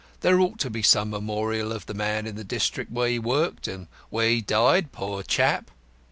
"There ought to be some memorial of the man in the district where he worked and where he died, poor chap."